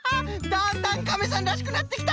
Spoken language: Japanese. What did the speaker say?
だんだんカメさんらしくなってきた！